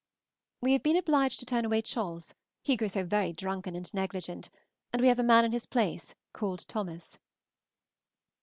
We have been obliged to turn away Cholles, he grew so very drunken and negligent, and we have a man in his place called Thomas.